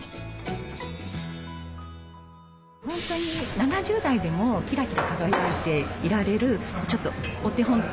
本当に７０代でもキラキラ輝いていられるちょっとお手本というか。